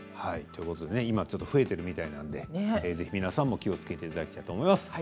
今ちょっと増えているみたいですので、ぜひ皆さんも気をつけていただきたいと思います。